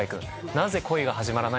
なぜ恋が始まらないのか。